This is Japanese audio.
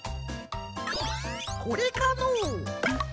これかのう？